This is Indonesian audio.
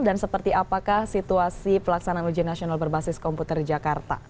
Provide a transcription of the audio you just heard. dan seperti apakah situasi pelaksanaan ujian nasional berbasis komputer di jakarta